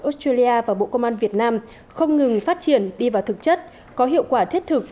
australia và bộ công an việt nam không ngừng phát triển đi vào thực chất có hiệu quả thiết thực